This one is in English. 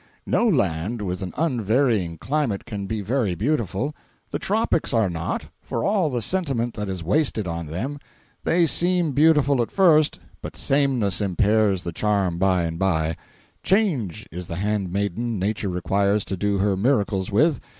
No land with an unvarying climate can be very beautiful. The tropics are not, for all the sentiment that is wasted on them. They seem beautiful at first, but sameness impairs the charm by and by. Change is the handmaiden Nature requires to do her miracles with.